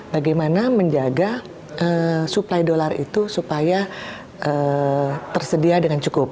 bagaimana menjaga supply dolar itu supaya tersedia dengan cukup